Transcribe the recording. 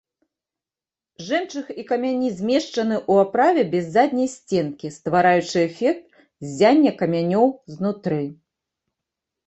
Жэмчуг і камяні змешчаны ў аправы без задняй сценкі, ствараючы эфект ззяння камянёў знутры.